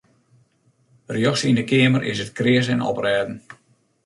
Rjochts yn de keamer is it kreas en oprêden.